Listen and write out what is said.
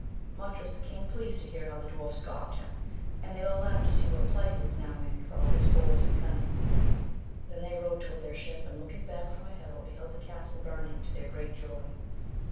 Much was the king pleased to hear how the dwarf scoffed him, and they all laughed to see what plight he was now in for all his force and cunning. Then they rode toward their ship, and looking back from a hill beheld the castle burning to their great joy.